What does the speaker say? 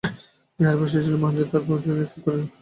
বিহারী বসিয়া ছিল–মহেন্দ্র তাহার প্রতি ভর্ৎসনাদৃষ্টি নিক্ষেপ করিল।